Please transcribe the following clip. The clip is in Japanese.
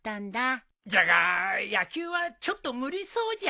じゃが野球はちょっと無理そうじゃ。